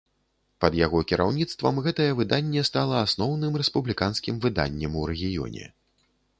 Пад яго кіраўніцтвам гэтае выданне стала асноўным рэспубліканскім выданнем у рэгіёне.